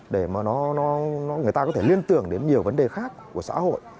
để mà người ta có thể liên tưởng đến nhiều vấn đề khác của xã hội